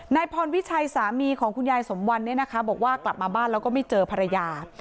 นายพรวิชัยสามีของคุณยายสมวันเนี่ยนะคะบอกว่ากลับมาบ้านแล้วก็ไม่เจอภรรยา